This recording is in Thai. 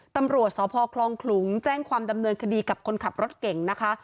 ตำรวจสพคลองขลุงแจ้งความดำเนินคดีกับคนขับรถเก่งนะคะ